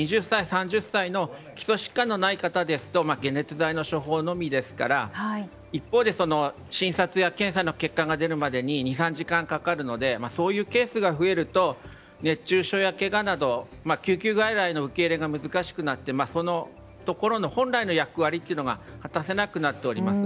２０歳、３０歳の基礎疾患のない方ですと解熱剤の処方のみですから一方で診察や検査の結果が出るまでに２３時間かかるのでそういうケースが増えると熱中症やけがなど救急外来の受け入れが難しくなってそのところの本来の役割が果たせなくなっております。